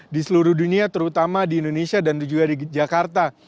di seluruh dunia terutama di indonesia dan juga di jakarta